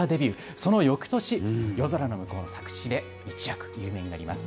そのよくとし、夜空ノムコウの作詞で、一躍、有名になります。